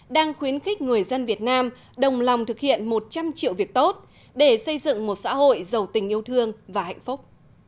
đang khuyến khích người dân việt nam đồng lòng thực hiện một trăm linh triệu việc tốt để xây dựng một xã hội giàu tình yêu thương và hạnh phúc